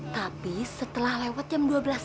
tapi setelah lewat jam dua belas